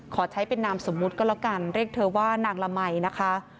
ขอใช้เป็นนามสมมุติก็แล้วกันเรียกเธอว่านางละมัยนะคะ